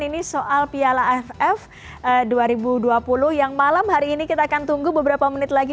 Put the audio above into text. ini soal piala aff dua ribu dua puluh yang malam hari ini kita akan tunggu beberapa menit lagi